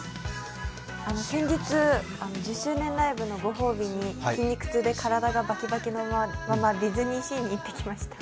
先日、１０周年ライブのご褒美に筋肉痛で体がバキバキのままディズニーシーに行ってきました。